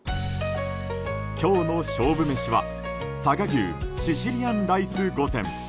今日の勝負メシは佐賀牛シシリアンライス御膳。